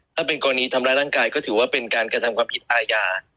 ถ้าเป็นกรณีทำร้ายร่างกายก็ถือว่าเป็นการกระทำความผิดอาญา